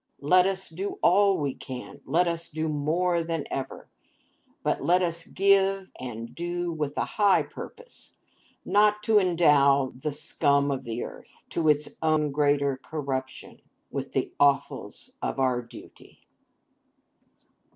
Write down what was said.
Let us do all we can; let us do more than ever. But let us give, and do, with a high purpose; not to endow the scum of the earth, to its own greater corruption, with the offals of our duty.